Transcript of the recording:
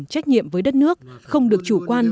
trách nhiệm với đất nước không được chủ quan